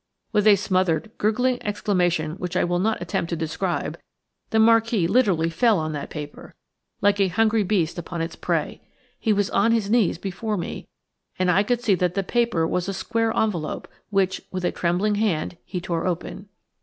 With a smothered, gurgling exclamation which I will not attempt to describe, the Marquis literally fell on that paper, like a hungry wild beast upon its prey. He was on his knees before me, and I could see that the paper was a square envelope, which, with a trembling hand, he tore open.